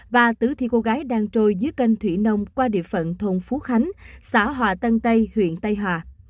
và tử thi cô gái đang trôi dưới canh thủy nông qua địa phận thôn phú khánh xã hòa tân tây huyện tây hòa